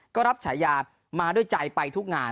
ก็รับฉายามาด้วยใจไปทุกงาน